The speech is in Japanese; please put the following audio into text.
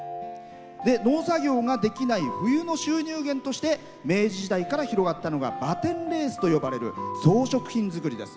農作業ができない冬の収入源として明治時代に広がったのがバテンレースと呼ばれるものです。